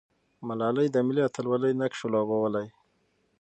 ملالۍ د ملي اتلولۍ نقش لوبولی.